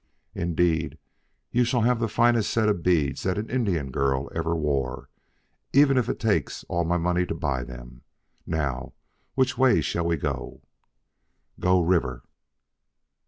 "Indeed you shall have the finest set of beads that an Indian girl ever wore, even if it takes all my money to buy them. Now which way shall we go?" "Go river."